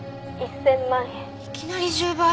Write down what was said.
いきなり１０倍！？